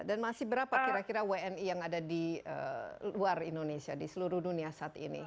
dan masih berapa kira kira wni yang ada di luar indonesia di seluruh dunia saat ini